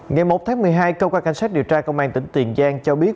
ngày một tháng một mươi hai cơ quan cảnh sát điều tra công an tỉnh tiền giang cho biết